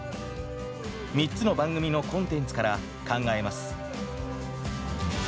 ３つの番組のコンテンツから考えます